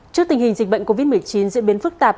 trước tình hình dịch bệnh covid một mươi chín diễn biến phức tạp